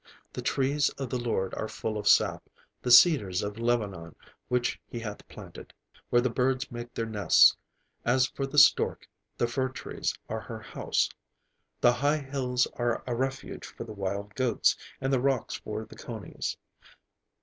The trees of the Lord are full of sap; the cedars of Lebanon which he hath planted; Where the birds make their nests: as for the stork, the fir trees are her house. The high hills are a refuge for the wild goats; and the rocks for the conies.